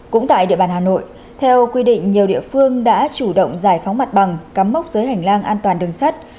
cũng tại địa bàn hà nội theo quy định nhiều địa phương đã chủ động giải phóng mặt bằng cắm mốc giới hành lang an toàn đường sắt